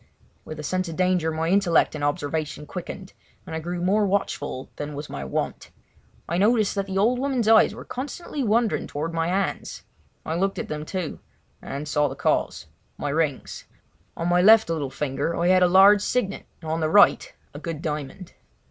With a sense of danger my intellect and observation quickened, and I grew more watchful than was my wont. I noticed that the old woman's eyes were constantly wandering towards my hands. I looked at them too, and saw the cause—my rings. On my left little finger I had a large signet and on the right a good diamond.